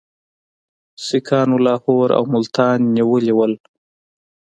سیکهان لاهور او ملتان نیولي ول.